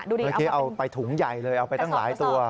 เมื่อกี้เอาไปถุงใหญ่เลยเอาไปตั้งหลายตัว